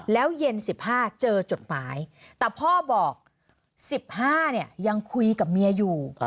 แล้วเย็น๑๕เจอจดหมายแต่พ่อบอก๑๕เนี่ยยังคุยกับเมียอยู่